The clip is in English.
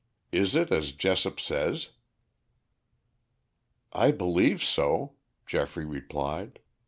"Is it as Jessop says?" "I believe so," Geoffrey replied.